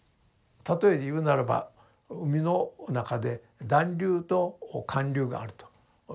例えで言うならば海の中で暖流と寒流があるというふうなですね